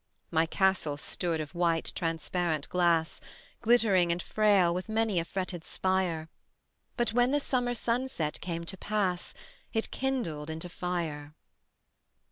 My castle stood of white transparent glass Glittering and frail with many a fretted spire, But when the summer sunset came to pass It kindled into fire.